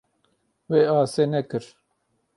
Wê asê nekir.